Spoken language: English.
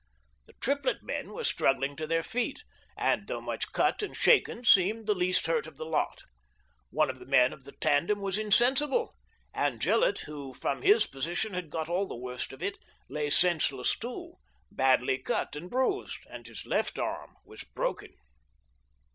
The triplet men «, were struggling to their feet, and though much cut and shaken, seemed the least hurt of the lot. One of the men of the tandem was insensible, and Gillett, who from his position had got all the worst of it, lay senseless too, badly cut and bruised, and his left arm was broken.